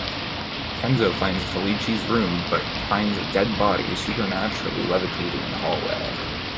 Kenzo finds Fellicci's room but finds a dead body supernaturally levitating in the hallway.